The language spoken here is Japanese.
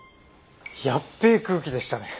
ヤッベえ空気でしたね。